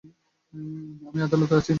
আমি আদালতে আছি।